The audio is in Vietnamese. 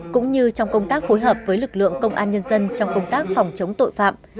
cũng như trong công tác phối hợp với lực lượng công an nhân dân trong công tác phòng chống tội phạm